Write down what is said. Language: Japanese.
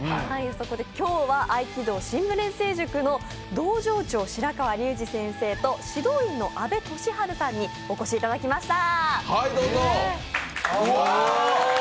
そこで今日は合気道神武錬成塾の道場長、白川竜次先生と指導員の阿部宗玄さんにお越しいただきました。